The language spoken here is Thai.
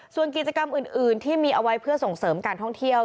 ส่วนกิจกรรมอื่นที่มีเอาไว้เพื่อส่งเสริมการท่องเที่ยว